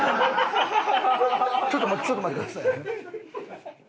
ちょっと待ってちょっと待ってくださいね。